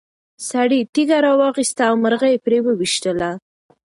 سړي تیږه راواخیسته او مرغۍ یې پرې وویشتله.